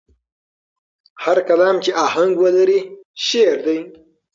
هر کلام چې آهنګ ولري، شعر دی.